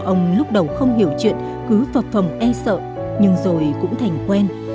những người thân của ông lúc đầu không hiểu chuyện cứ phật phẩm e sợ nhưng rồi cũng thành quen